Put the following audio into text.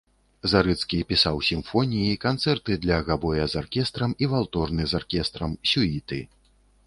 Зарыцкі пісаў сімфоніі, канцэрты для габоя з аркестрам і валторны з аркестрам, сюіты.